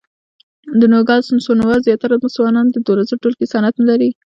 د نوګالس سونورا زیاتره ځوانان د دولسم ټولګي سند نه لري.